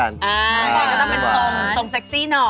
สงสักเซ็กซี่หน่อย